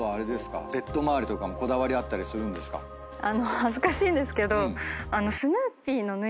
恥ずかしいんですけど。